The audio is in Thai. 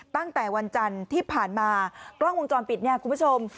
ตั้งแต่วันจันทร์ที่ผ่านมากล้องวงจรปิดเนี่ยคุณผู้ชม